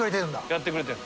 やってくれてる。